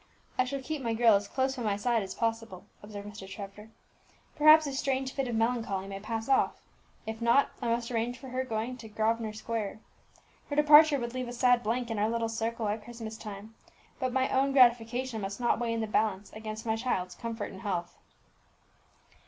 "I shall keep my girl as close by my side as possible," observed Mr. Trevor. "Perhaps this strange fit of melancholy may pass off; if not, I must arrange for her going to Grosvenor Square. Her departure would leave a sad blank in our little circle at Christmas time, but my own gratification must not weigh in the balance against my child's comfort and health."